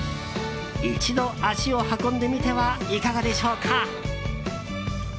一度、足を運んでみてはいかがでしょうか。